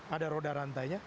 ada roda rantainya